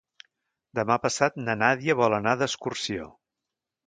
Demà passat na Nàdia vol anar d'excursió.